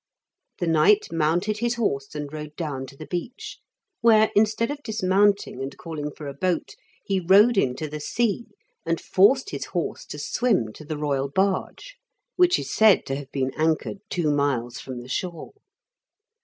The knight mounted his horse, and rode down to the beach, where, instead of dismounting and calling for a boat, he rode into the sea and forced his horse to swim to the royal barge, which is said to have been anchored two miles from the shore.